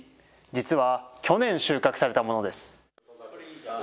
実は去年、収穫されたものです。